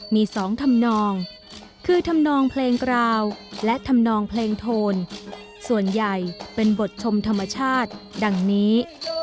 มีสองทำนองคือทำนองเพลงกราวและทำนองเพลงโทนส่วนใหญ่เป็นบทชมธรรมชาติดังนี้